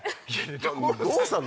どうしたの？